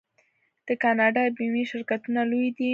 د کاناډا بیمې شرکتونه لوی دي.